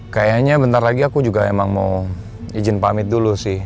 kayaknya bentar lagi aku juga emang mau izin pamit dulu sih